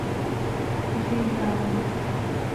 Hizi yaaomoj.